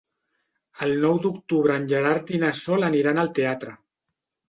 El nou d'octubre en Gerard i na Sol aniran al teatre.